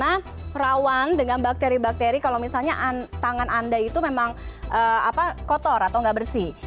karena rawan dengan bakteri bakteri kalau misalnya tangan anda itu memang kotor atau nggak bersih